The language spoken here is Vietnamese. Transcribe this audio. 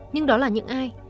nhưng đó là những ai